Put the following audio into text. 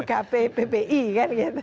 ukp ppi kan gitu